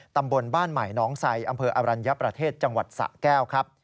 ตำบลบ้านใหม่น้องไซอำเภออรัญญประเทศจังหวัดสะแก้วครับ